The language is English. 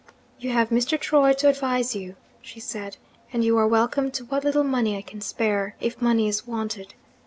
'You have Mr. Troy to advise you,' she said; 'and you are welcome to what little money I can spare, if money is wanted.